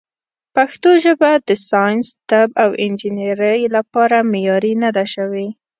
پښتو ژبه د ساینس، طب، او انجنیرۍ لپاره معیاري نه ده شوې.